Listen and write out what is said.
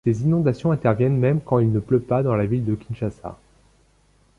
Ces inondations interviennent même quand il ne pleut pas dans la ville de Kinshasa.